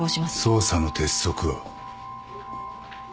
捜査の鉄則は？